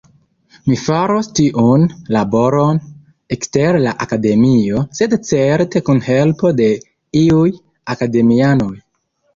Mi faros tiun laboron ekster la Akademio, sed certe kun helpo de iuj Akademianoj.